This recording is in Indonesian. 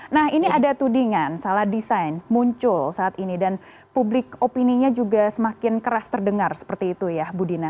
nah ini ada tudingan salah desain muncul saat ini dan publik opininya juga semakin keras terdengar seperti itu ya bu dina